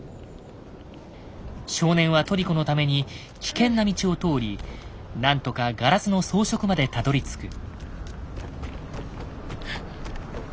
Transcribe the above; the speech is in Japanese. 少年はトリコのために危険な道を通り何とかガラスの装飾までたどりつく。